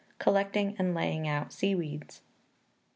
Collecting and Laying out Sea weeds.